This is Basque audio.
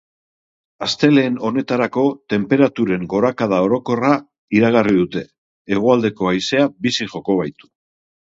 Astelehen honetarako tenperaturen gorakada orokorra iragarri dute, hegoaldeko haizea bizi joko baitu.